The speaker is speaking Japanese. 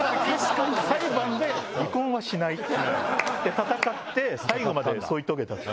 闘って最後まで添い遂げた。